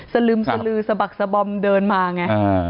สลึมสลือสะบักสะบอมเดินมาไง